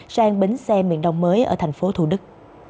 sang bến xe miền đông mới ở thành phố thủ đức